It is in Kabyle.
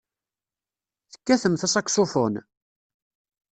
Tekkatemt asaksufun?